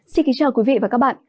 xin kính chào quý vị và các bạn